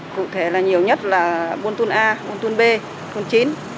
cụ thể là nhiều nhất là buôn thôn a buôn thôn b thôn chín